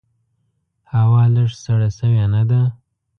هوا لږ سړه سوي نده؟